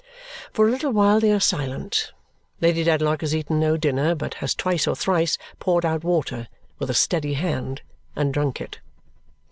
For a little while they are silent. Lady Dedlock has eaten no dinner, but has twice or thrice poured out water with a steady hand and drunk it.